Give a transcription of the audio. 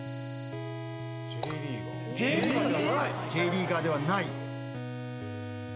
Ｊリーガーではない。